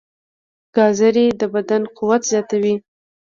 ګازرې د بدن قوت زیاتوي.